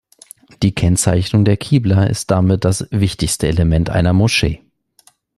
Die Kennzeichnung der Qibla ist damit das wichtigste Element einer Moschee.